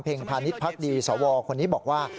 พาณิชยพักดีสวคนนี้บอกว่า